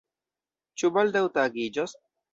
Ĉu baldaŭ tagiĝos?